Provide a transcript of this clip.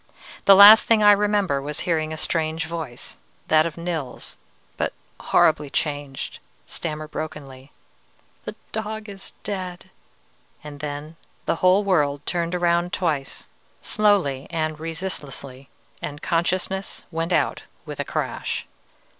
The last thing I remember was hearing a strange voice, that of Nils, but horribly changed, stammer brokenly, 'The dog is dead!' and then the whole world turned around twice, slowly and resistlessly, and consciousness went out with a crash.